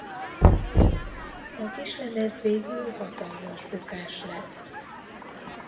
A kislemez végül hatalmas bukás lett.